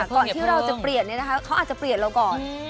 ก่อนที่เราจะเปลี่ยนเนี่ยนะคะเขาอาจจะเปลี่ยนเราก่อน